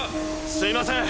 すみません